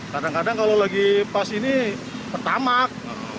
kadang kadang kalau lagi pas ini pertamak